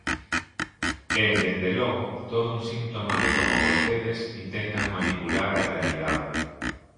É, dende logo, todo un síntoma de como vostedes intentan manipular a realidade.